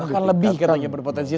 akan lebih katanya berpotensi